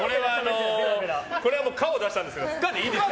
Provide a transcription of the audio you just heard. これは、可を出したんですけど不可でいいです。